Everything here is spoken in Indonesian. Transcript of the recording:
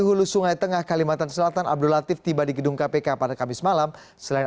hulu sungai tengah kalimantan selatan abdul latif tiba di gedung kpk pada kamis malam selain